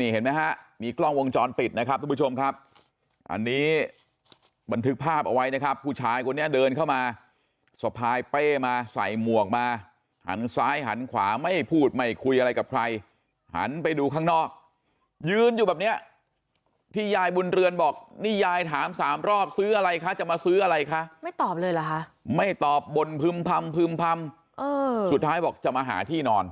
นี่เห็นไหมฮะมีกล้องวงจรปิดนะครับทุกผู้ชมครับอันนี้บันทึกภาพเอาไว้นะครับผู้ชายคนนี้เดินเข้ามาสะพายเป้มาใส่หมวกมาหันซ้ายหันขวาไม่พูดไม่คุยอะไรกับใครหันไปดูข้างนอกยืนอยู่แบบเนี้ยที่ยายบุญเรือนบอกนี่ยายถามสามรอบซื้ออะไรคะจะมาซื้ออะไรคะไม่ตอบเลยเหรอคะไม่ตอบบนพึ่มพำพึ่มพำสุดท้ายบอกจะมาหาที่นอน